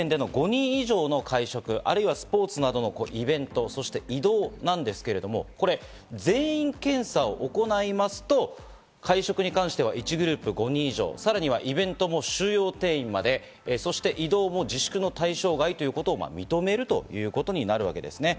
飲食店での５人以上の会食、あるいはスポーツなどのイベント、そして移動ですけれども、全員検査を行いますと会食に関しては１グループ５人以上、さらにはイベントも収容定員まで、移動も自粛の対象外ということを認めるということになるわけです。